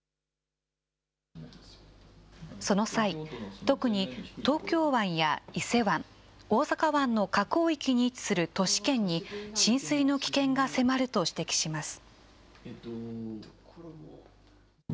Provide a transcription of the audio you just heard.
その際、特に東京湾や伊勢湾、大阪湾の河口域に位置する都市圏に浸水の危険が迫ると指摘します。